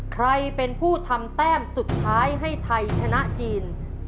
ใครเป็นผู้ทำแต้มสุดท้ายให้ไทยชนะจีน